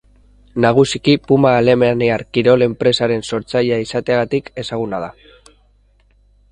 Nagusiki Puma alemaniar kirol enpresaren sortzailea izateagatik ezaguna da.